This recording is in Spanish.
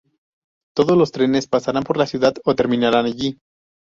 Todos los trenes pasan por la ciudad o terminan allí.